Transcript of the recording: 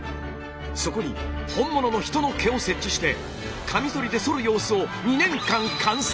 そこに本物の人の毛を設置してカミソリでそる様子を２年間観察！